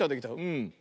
うん。